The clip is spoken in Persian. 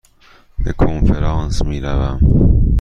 به کنفرانس می روم.